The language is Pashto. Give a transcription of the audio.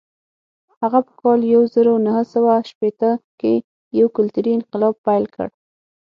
هغه په کال یو زر نهه سوه شپېته کې یو کلتوري انقلاب پیل کړ.